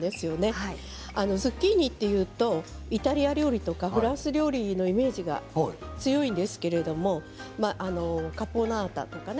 ズッキーニというとイタリア料理やフランス料理のイメージが強いんですけれどカポナータとかね